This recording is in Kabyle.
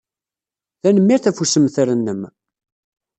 Tanemmirt ɣef ussemter-nnem.